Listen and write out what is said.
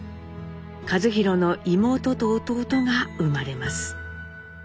一寛の妹と弟が生まれます。